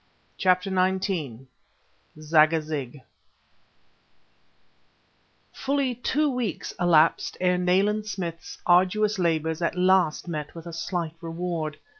CHAPTER XIX "ZAGAZIG" Fully two weeks elapsed ere Nayland Smith's arduous labors at last met with a slight reward.